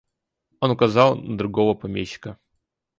Он указал на другого помещика.